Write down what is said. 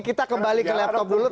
kita kembali ke laptop dulu